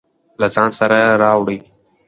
له ځان سره راوړئ.